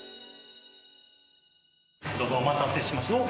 どうぞお待たせしました。